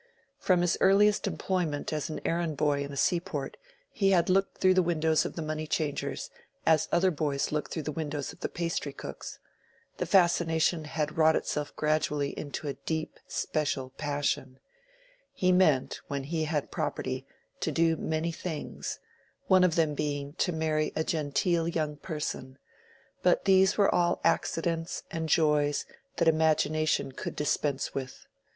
From his earliest employment as an errand boy in a seaport, he had looked through the windows of the moneychangers as other boys look through the windows of the pastry cooks; the fascination had wrought itself gradually into a deep special passion; he meant, when he had property, to do many things, one of them being to marry a genteel young person; but these were all accidents and joys that imagination could dispense with.